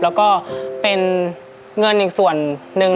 แล้วก็เป็นเงินอีกส่วนหนึ่ง